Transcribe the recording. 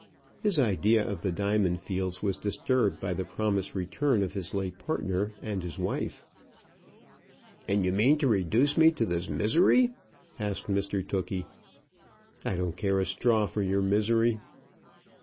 His idea of the diamond fields was disturbed by the promised return of his late partner and his wife. "And you mean to reduce me to this misery?" asked Mr Tookey. "I don't care a straw for your misery."